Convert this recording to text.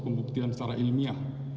pembuktian secara ilmiah